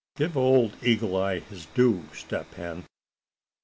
Give Old Eagle Eye his due, Step Hen."